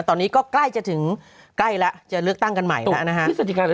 ตอนนี้ก็ใกล้จะถึงใกล้แล้วจะเลือกตั้งกันใหม่แล้วนะฮะ